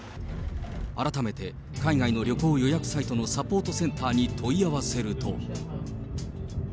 改めて、海外の旅行予約サイトのサポートセンターに問い合わせると。